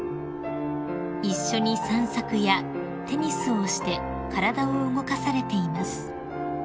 ［一緒に散策やテニスをして体を動かされています］